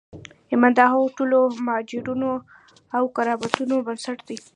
ايمان د هغو ټولو معجزو او کراماتو بنسټ دی.